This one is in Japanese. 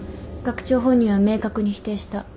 学長本人は明確に否定した。